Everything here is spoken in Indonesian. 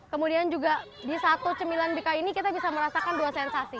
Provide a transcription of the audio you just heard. kemudian juga di satu cemilan bika ini kita bisa merasakan dua sensasi